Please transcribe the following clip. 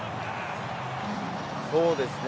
そうですね。